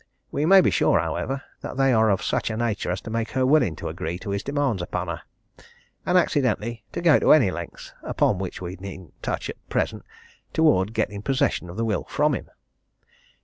We may be sure, however, that they are of such a nature as to make her willing to agree to his demands upon her and, accidentally, to go to any lengths upon which we needn't touch, at present towards getting possession of the will from him.